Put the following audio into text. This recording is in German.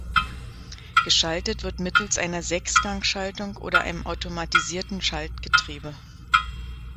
Geschaltet wird mittels einer Sechsgang-Schaltung oder einem automatisierten Schaltgetriebe.